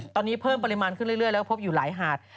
ตอนนี้เพิ่มปริมาณขึ้นเรื่อยแล้วก็พบอยู่หลายหาด